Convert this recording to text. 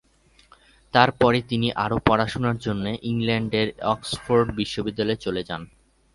তারপরে তিনি আরও পড়াশুনার জন্য ইংল্যান্ডের অক্সফোর্ড বিশ্ববিদ্যালয়ে চলে যান।